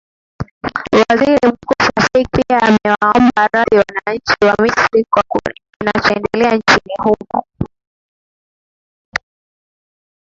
waziri mkuu shafik pia amewaomba radhi wananchi wa misri kwa kinachoendelea nchini humo